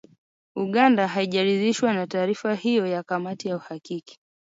Uganda haijaridhishwa na taarifa hiyo ya kamati ya uhakiki